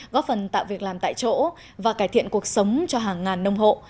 góp phần tạo việc làm tại chỗ và cải thiện cuộc sống cho hàng ngàn nông hộ